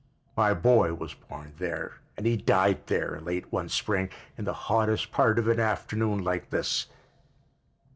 My boy was born there and he died there, late one spring, in the hottest part of an afternoon like this.